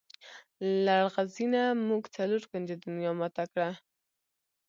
لغړزنیه! موږ څلور کونجه دنیا ماته کړه.